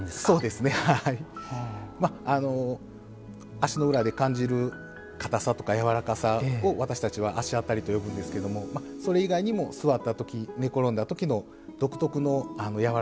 足の裏で感じるかたさとかやわらかさを私たちは足あたりと呼ぶんですけどもそれ以外にも座った時寝転んだ時の独特のやわらかさですね。